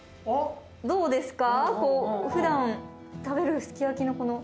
どうですか？